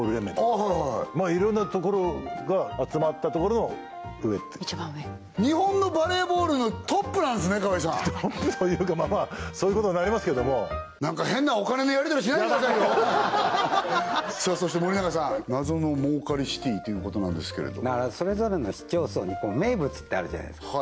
はいはいはいいろんなところが集まったところの上一番上日本のバレーボールのトップなんすね川合さんトップというかまあまあそういうことになりますけどもなんか変なお金のやりとりしないでくださいよそして森永さん謎の儲かりＣＩＴＹということなんですけれどそれぞれの市町村に名物ってあるじゃないですか